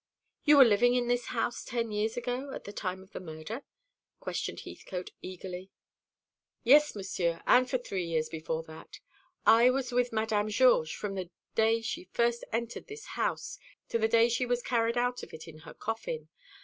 "You were living in this house ten years ago, at the time of the murder?" questioned Heathcote eagerly. "Yes, Monsieur, and for three years before that. I was with Madame Georges from the day she first entered this house to the day she was carried out of it in her coffin.